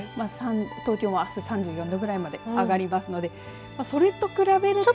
東京もあす３４度くらいまで上がりますのでそれと比べると。